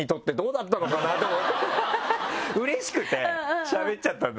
うれしくてしゃべっちゃったんだけど。